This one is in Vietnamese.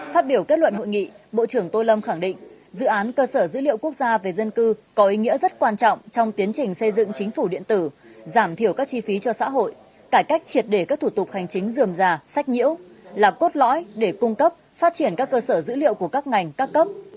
phát biểu kết luận hội nghị bộ trưởng tô lâm khẳng định dự án cơ sở dữ liệu quốc gia về dân cư có ý nghĩa rất quan trọng trong tiến trình xây dựng chính phủ điện tử giảm thiểu các chi phí cho xã hội cải cách triệt đề các thủ tục hành chính dườm già sách nhiễu là cốt lõi để cung cấp phát triển các cơ sở dữ liệu của các ngành các cấp